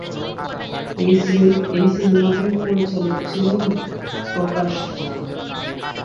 এই সিনেমাটির পরিচালক ছিলেন প্রকাশ ঝা।